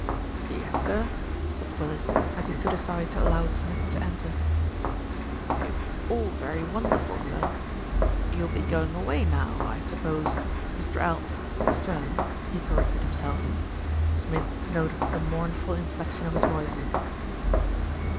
"Yes, sir," said Willis, as he stood aside to allow Smith to enter. "It's all very wonderful, sir. You'll be going away now, I suppose, Mr. Al sir," he cor rected himself. Smith noted the mournful inflection of his voice.